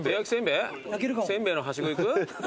せんべいのはしご行く？